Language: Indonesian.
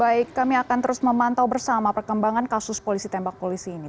baik kami akan terus memantau bersama perkembangan kasus polisi tembak polisi ini